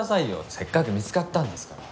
せっかく見つかったんですから。